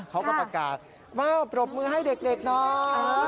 เขาก็ประกาศมาปรบมือให้เด็กน้อย